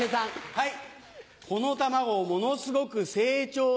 はい。